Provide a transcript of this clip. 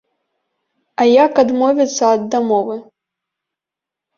А як адмовіцца ад дамовы?